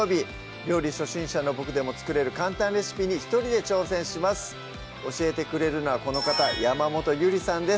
料理初心者のボクでも作れる簡単レシピに一人で挑戦します教えてくれるのはこの方山本ゆりさんです